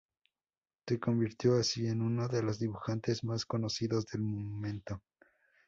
Se convirtió así en uno de los dibujantes más conocidos del momento.